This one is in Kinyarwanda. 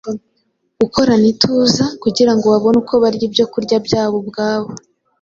gukorana ituza, ngo babone uko barya ibyo kurya byabo ubwabo.”